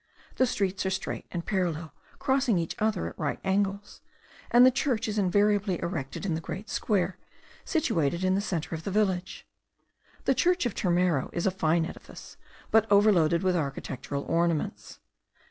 The streets are straight and parallel, crossing each other at right angles; and the church is invariably erected in the great square, situated in the centre of the village. The church of Turmero is a fine edifice, but overloaded with architectural ornaments.